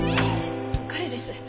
彼です。